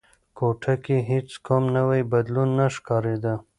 کوټه کې هیڅ کوم نوی بدلون نه ښکارېده.